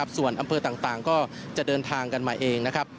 ส่วนอำเภอต่างก็จะเดินทางกันมาเองนะครับ